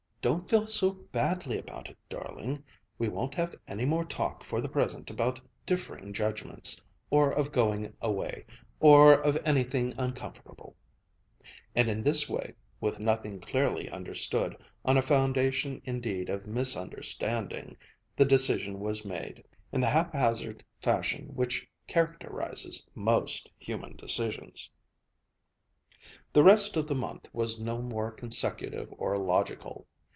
"Don't feel so badly about it, darling. We won't have any more talk for the present about differing judgments, or of going away, or of anything uncomfortable"; and in this way, with nothing clearly understood, on a foundation indeed of misunderstanding, the decision was made, in the haphazard fashion which characterizes most human decisions. The rest of the month was no more consecutive or logical.